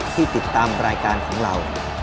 ที่ติดตามรายการของเรา